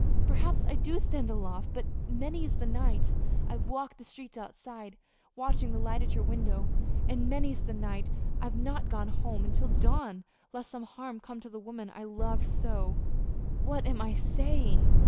Perhaps I do stand aloof; but many's the night I've walked the street outside, watching the light at your window, and many's the night I've not gone home until dawn lest some harm come to the woman I loved so good God! what am I saying!"